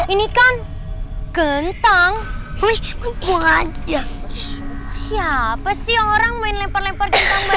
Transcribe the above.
ini kan kentang siapa sih orang main lempar lempar